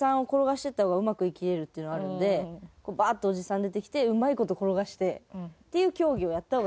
バーッとおじさん出てきてうまい事転がしてっていう競技をやった方が。